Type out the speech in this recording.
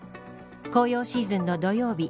紅葉シーズンの土曜日